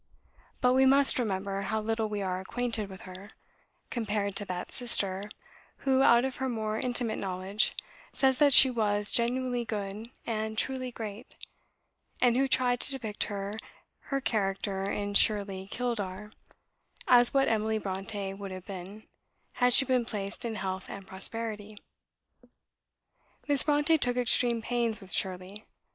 But we must remember how little we are acquainted with her, compared to that sister, who, out of her more intimate knowledge, says that she "was genuinely good, and truly great," and who tried to depict her character in Shirley Keeldar, as what Emily Brontë would have been, had she been placed in health and prosperity. Miss Brontë took extreme pains with "Shirley."